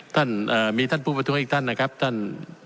ท่านมีท่านผู้ประท้วงอีกท่านนะครับท่าน